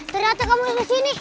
ternyata kamu di sini